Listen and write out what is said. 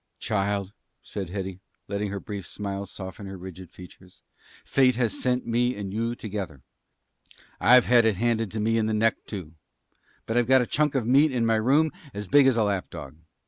"Child," said Hetty, letting a brief smile soften her rigid features, "Fate has sent me and you together. I've had it handed to me in the neck, too; but I've got a chunk of meat in my, room as big as a lap dog.